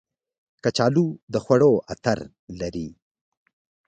کچالو د خوړو عطر لري